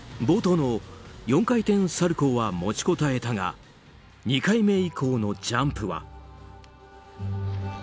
冒頭の４回転サルコウは持ちこたえたが２回目以降のジャンプは。